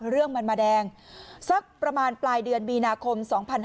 เรื่องมันมาแดงสักประมาณปลายเดือนมีนาคม๒๕๕๙